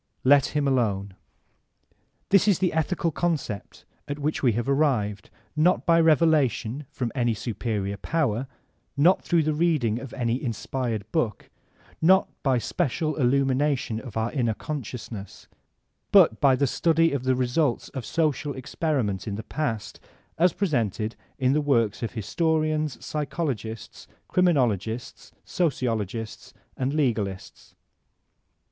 Let him alone. This is the ethical concept at which we have arrived, not by revelation from any superior power, not through the reading of any inspired book, not by special illumin ation of our inner consciousness ; but by the study of the results of social experiment in the past as presented in the works of historians, psychologists, criminologists, sociologists and legalists.